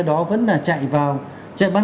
đó vẫn là chạy vào chạy ban